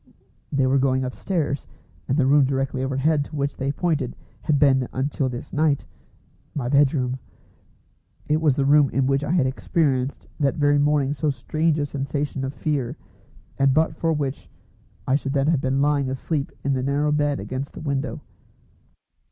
They were going upstairs, and the room directly overhead to which they pointed had been until this night my bedroom. It was the room in which I had experienced that very morning so strange a sensation of fear, and but for which I should then have been lying asleep in the narrow bed against the window.